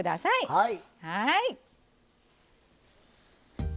はい。